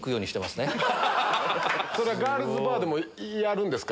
ガールズバーでもやるんですか？